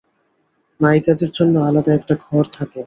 নায়িকাদের জন্যে আলাদা একটা ঘর থাকে।